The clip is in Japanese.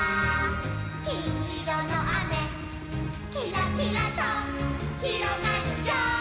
「きんいろのあめ」「キラキラとひろがるよ」